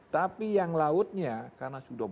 tapi yang lautnya karena sudah